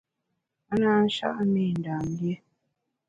Me na sha’a mi Ndam lié.